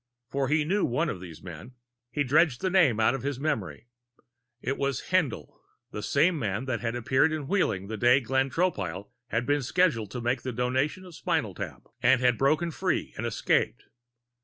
For he knew one of these men. He dredged the name out of his memory. It was Haendl. The same man had appeared in Wheeling the day Glenn Tropile had been scheduled to make the Donation of the Spinal Tap and had broken free and escaped.